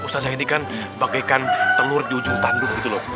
mustazah ini kan bagaikan telur di ujung tanduk gitu loh